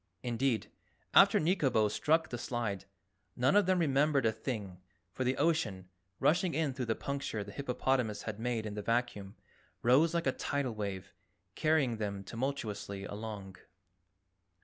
Indeed, after Nikobo struck the slide, none of them remembered a thing, for the ocean, rushing in through the puncture the hippopotamus had made in the vacuum, rose like a tidal wave, carrying them tumultuously along.